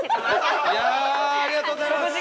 いやあありがとうございます。